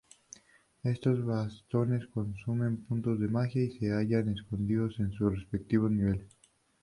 Estos bastones consumen puntos de magia y se hallan escondidos en sus respectivos niveles.